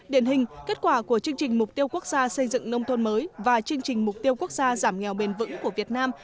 điển hình kết quả của chương trình mục tiêu quốc gia xây dựng nông thôn mới và chương trình mục tiêu quốc gia giảm nghèo bền vững của việt nam